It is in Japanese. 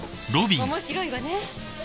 面白いわね。